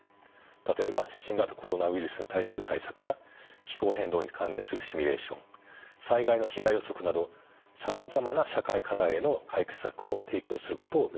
例えば新型コロナウイルスに対する対策や気候変動に関連するシミュレーション災害の被害予測などさまざまな社会課題への解決策を提供することを目指しています。